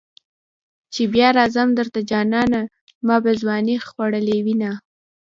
چې بیا راځم درته جانانه ما به ځوانی خوړلې وینه.